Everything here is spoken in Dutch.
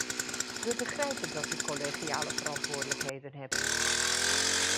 We begrijpen dat u collegiale verantwoordelijkheden hebt.